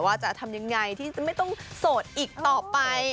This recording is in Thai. ว่าจะทำยังไงที่จะไม่ต้องโสดอีกต่อไป